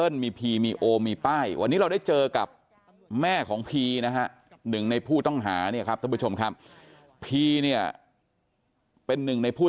อยากให้เขาเป็นคนดีเสียใจอยู่